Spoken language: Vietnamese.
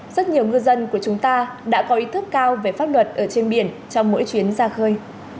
rất nhiều ngư dân của chúng ta đã có ý thức cao về pháp luật ở trên biển trong mỗi chuyến ra khơi